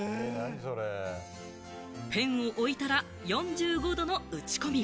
ペンを置いたら４５度のうちこみ。